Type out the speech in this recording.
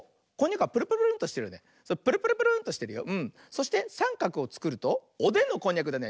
そしてさんかくをつくるとおでんのこんにゃくだね。